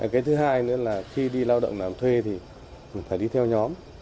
cái thứ hai nữa là khi đi lao động làm thuê thì phải đi theo nhóm